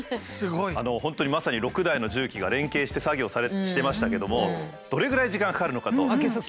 本当にまさに６台の重機が連携して作業してましたけどもどれぐらい時間かかるのかと。